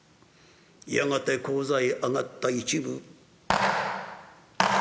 やがて高座へ上がった一夢。